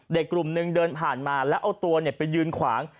เด็กกลุ่มนึงเดินผ่านมาแล้วเอาตัวไปยืนขวาง